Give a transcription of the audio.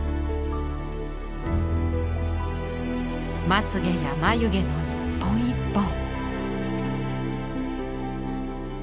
まつげや眉毛の一本一本。